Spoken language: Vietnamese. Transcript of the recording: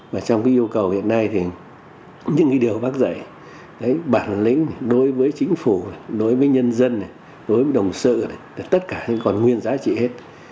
những yêu cầu hiện nay thì những điều bác dạy bản lĩnh đối với chính phủ đối với nhân dân đối với đồng sự tất cả còn nguyên giá trị hết